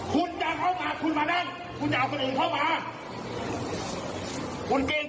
คุณเกรงใจข้างหลังหลายรอบแล้วเขามากินเข้ามาเพราะว่าผัวบ้านประมาณตีสี่